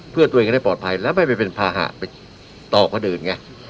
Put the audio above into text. เพื่อตัวเองได้ปลอดภัยแล้วไม่ไปเป็นภาหะไปต่อคนอื่นไง